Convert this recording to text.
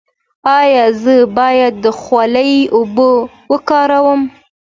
ایا زه باید د خولې اوبه وکاروم؟